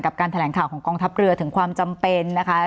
การแถลงข่าวของกองทัพเรือถึงความจำเป็นนะคะ